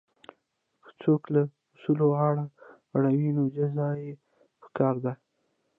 که څوک له اصولو غاړه غړوي نو جزا یې پکار ده.